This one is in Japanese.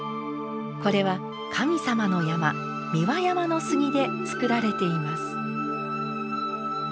これは神様の山三輪山の杉で作られています。